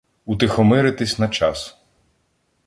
Утихомиритись на час.